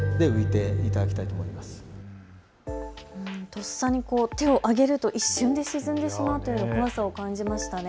とっさに手を上げると一瞬で沈んでしまうという怖さを感じました。